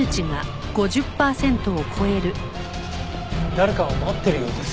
誰かを待ってるようです。